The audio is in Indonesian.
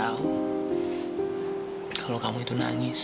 yahkan itu adalah awal'veksiksa acara di annoying audien our